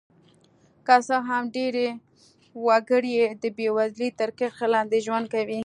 که څه هم ډېری وګړي یې د بېوزلۍ تر کرښې لاندې ژوند کوي.